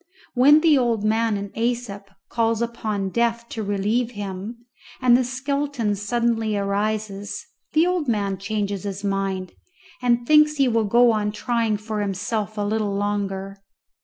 When the old man in Æsop calls upon Death to relieve him, and the skeleton suddenly rises, the old man changes his mind, and thinks he will go on trying for himself a little longer.